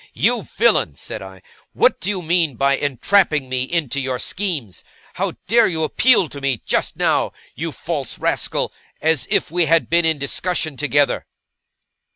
'You villain,' said I, 'what do you mean by entrapping me into your schemes? How dare you appeal to me just now, you false rascal, as if we had been in discussion together?